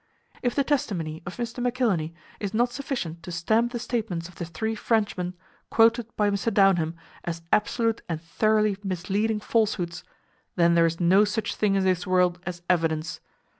If the testimony of Mr. McIlhenny is not sufficient to stamp the statements of the three Frenchmen quoted by Mr. Downham as absolute and thoroughly misleading falsehoods, then there is no such thing in this world as evidence.